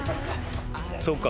そうか。